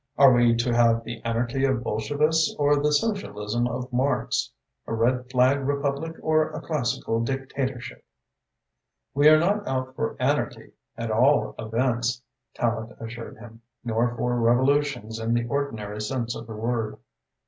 Are we to have the anarchy of Bolshevists or the socialism of Marx, a red flag republic or a classical dictatorship?" "We are not out for anarchy, at all events," Tallente assured him, "nor for revolutions in the ordinary sense of the word."